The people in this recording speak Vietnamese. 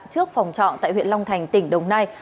trước phòng trọ tại huyện long thành tỉnh đồng nai